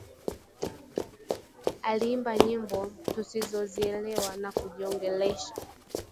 Aliimba nyimbo tusizozielewa na kujiongelesha